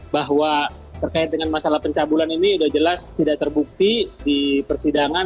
bahwa terkait dengan masalah pencabulan ini sudah jelas tidak terbukti di persidangan